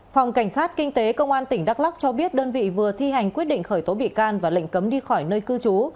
phòng cảnh sát kinh tế công an tỉnh đắk lắc cho biết đơn vị vừa thi hành quyết định khởi tố bị can và lệnh cấm đi khỏi nơi cư trú